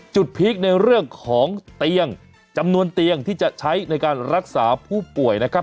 พีคในเรื่องของเตียงจำนวนเตียงที่จะใช้ในการรักษาผู้ป่วยนะครับ